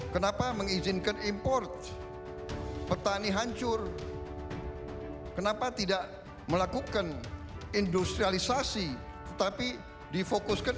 kenapa mengizinkan import petani hancur kenapa tidak melakukan industrialisasi tetapi difokuskan